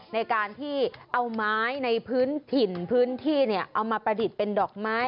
ในการที่เอาไม้ในพื้นถิ่นพื้นที่เอามาประดิษฐ์เป็นดอกไม้